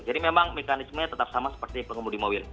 jadi memang mekanismenya tetap sama seperti pengemudi mobil